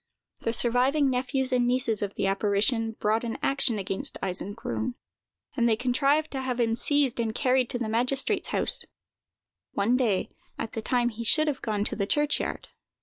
The surviving nephews and nieces of the apparition brought an action against Eisengrun, and they contrived to have him seized and carried to the magistrate's house, one day, at the time he should have gone to the churchyard.